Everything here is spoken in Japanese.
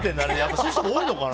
そういう人多いのかな。